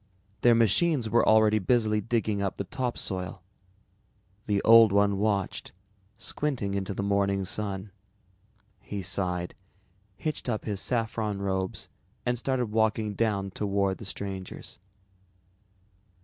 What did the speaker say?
Their machines were already busily digging up the topsoil. The Old One watched, squinting into the morning sun. He sighed, hitched up his saffron robes and started walking down toward the strangers.